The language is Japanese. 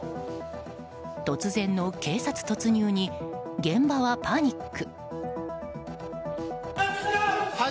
突然の警察突入に現場はパニック。